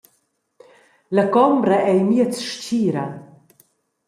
La combra ei miez stgira.